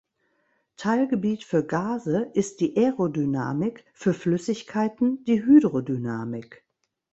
Teilgebiet für Gase ist die Aerodynamik, für Flüssigkeiten die Hydrodynamik.